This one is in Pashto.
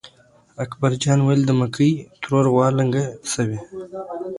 اکبر جان وېل: د مکۍ ترور غوا لنګه شوې.